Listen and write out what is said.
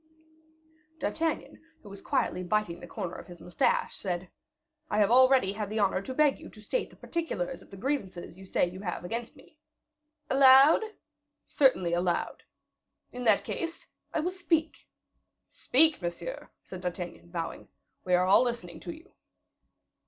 D'Artagnan, who was quietly biting the corner of his moustache, said, "I have already had the honor to beg you to state the particulars of the grievances you say you have against me." "Aloud?" "Certainly, aloud." "In that case, I will speak." "Speak, monsieur," said D'Artagnan, bowing; "we are all listening to you."